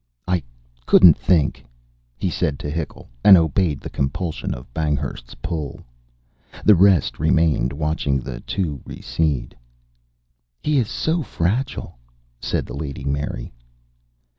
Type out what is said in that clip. "I couldn't think " he said to Hickle, and obeyed the compulsion of Banghurst's pull. The rest remained watching the two recede. "He is so fragile," said the Lady Mary.